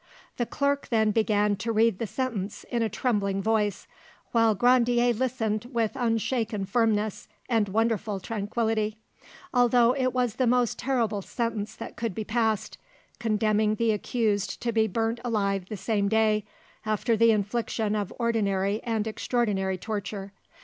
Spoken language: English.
The clerk then began to read the sentence in a trembling voice, while Grandier listened with unshaken firmness and wonderful tranquillity, although it was the most terrible sentence that could be passed, condemning the accused to be burnt alive the same day, after the infliction of ordinary and extraordinary torture.